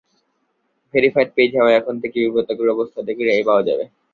Verified page হওয়ায় এখন থেকে বিব্রতকর অবস্থা থেকে রেহাই পাওয়া যাবে।